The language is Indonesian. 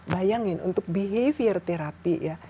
bayangin untuk behavior therapy